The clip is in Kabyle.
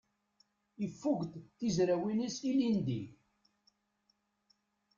Ifukk-d tizrawin-is ilindi.